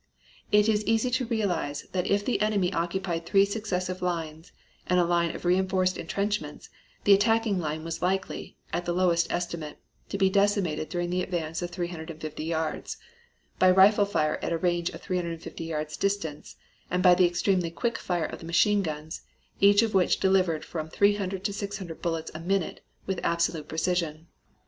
It is easy to realize that if the enemy occupied three successive lines and a line of reinforced intrenchments, the attacking line was likely, at the lowest estimate, to be decimated during an advance of 350 yards by rifle fire at a range of 350 yards' distance, and by the extremely quick fire of the machine guns, each of which delivered from 300 to 600 bullets a minute with absolute precision.